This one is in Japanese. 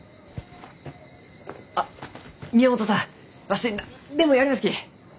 あっ宮本さんわし何でもやりますき！